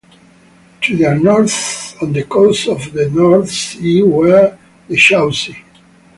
To their north, on the coast of the North Sea, were the Chauci.